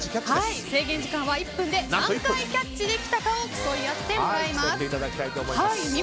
制限時間は１分で何回キャッチできたかを競っていただきます。